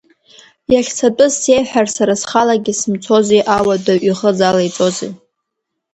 Иахьцатәыз сеиҳәар, сара схалагьы сымцози, ауадаҩ ихы залаиҵозеи!